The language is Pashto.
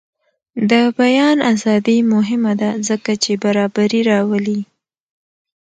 د بیان ازادي مهمه ده ځکه چې برابري راولي.